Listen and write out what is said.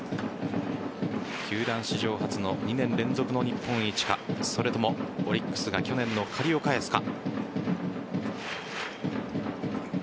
球団史上初の２年連続の日本一かそれともオリックスが去年の借りを返すか。